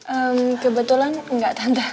ehm kebetulan enggak tante